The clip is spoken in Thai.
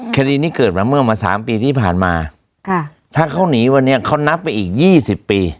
คดีนี้เกิดมาเมื่อมาสามปีที่ผ่านมาค่ะถ้าเขาหนีวันนี้เขานับไปอีก๒๐ปี